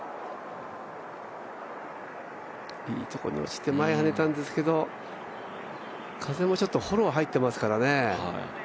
いいところに落ちて、前にはねたんですけれども、風もちょっとフォロー入ってますからね。